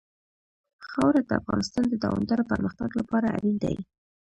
خاوره د افغانستان د دوامداره پرمختګ لپاره اړین دي.